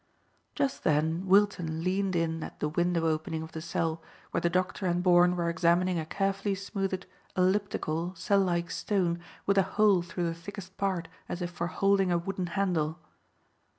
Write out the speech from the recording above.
Just then Wilton leaned in at the window opening of the cell where the doctor and Bourne were examining a carefully smoothed, elliptical, cell like stone with a hole through the thickest part as if for holding a wooden handle.